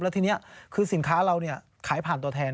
แล้วทีนี้คือสินค้าเราขายผ่านตัวแทน